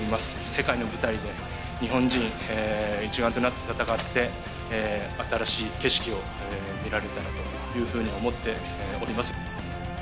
世界の舞台で日本人一丸となって戦って、新しい景色を見られたらというふうに思っております。